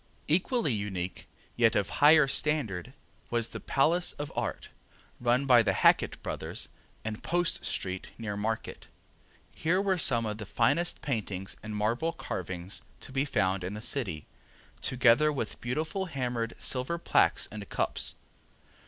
Equally unique, yet of higher standard, was the Palace of Art, run by the Hackett brothers, in Post street near Market. Here were some of the finest paintings and marble carvings to be found in the city, together with beautiful hammered silver plaques and cups.